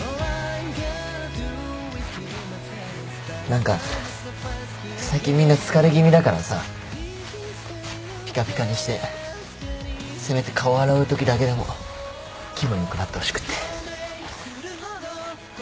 何か最近みんな疲れ気味だからさぴかぴかにしてせめて顔洗うときだけでも気分良くなってほしくって。